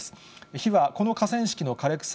火はこの河川敷の枯れ草